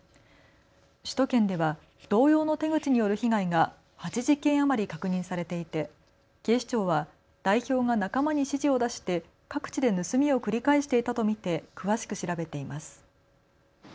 首都圏では同様の手口による被害が８０件余り確認されていて警視庁は代表が仲間に指示を出して各地で盗みを繰り返していたと見て詳しく調べています。